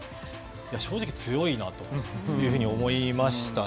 正直強いなというふうに思いましたね。